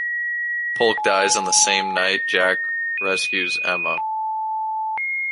Polk dies on the same night Jack rescues Emma.